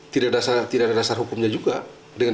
tidak ada dasar hukumnya juga dengan